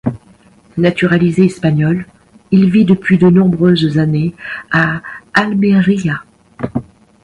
Naturalisé espagnol, il vit depuis de nombreuses années à Almería.